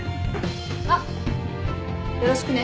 あっよろしくね。